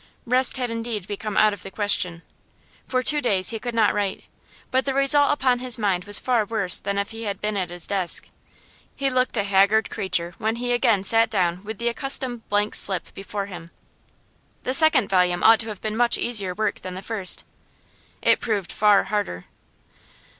Rest had indeed become out of the question. For two days he could not write, but the result upon his mind was far worse than if he had been at the desk. He looked a haggard creature when he again sat down with the accustomed blank slip before him. The second volume ought to have been much easier work than the first; it proved far harder.